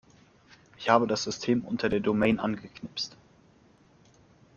Ich habe das System unter der Domain angeknipst.